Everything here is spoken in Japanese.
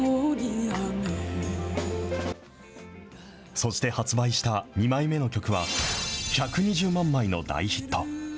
そして発売した２枚目の曲は、１２０万枚の大ヒット。